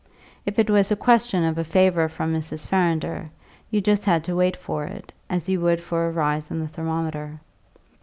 If it was a question of a favour from Mrs. Farrinder, you just had to wait for it, as you would for a rise in the thermometer.